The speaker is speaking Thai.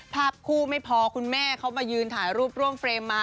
ภาพคู่ไม่พอคุณแม่เขามายืนถ่ายรูปร่วมเฟรมมา